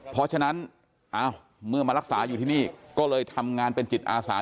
เพราะฉะนั้นเมื่อมารักษาอยู่ที่นี่ก็เลยทำงานเป็นจิตอาสา